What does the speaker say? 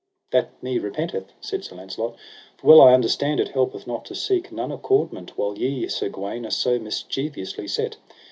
That me repenteth, said Sir Launcelot; for well I understand it helpeth not to seek none accordment while ye, Sir Gawaine, are so mischievously set.